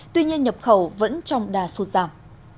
tuy nhiên nhập khẩu vẫn trong đà sụt giảm